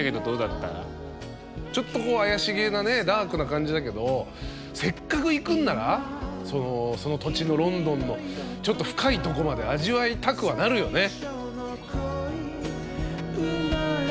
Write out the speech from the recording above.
ちょっと怪しげなダークな感じだけどせっかく行くんならその土地のロンドンのちょっと深いとこまで味わいたくはなるよね。